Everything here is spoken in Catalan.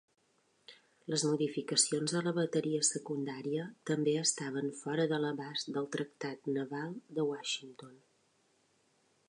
Les modificacions a la bateria secundària també estaven fora de l'abast del Tractat naval de Washington.